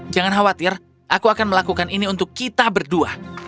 jangan khawatir aku akan melakukan ini untuk kita berdua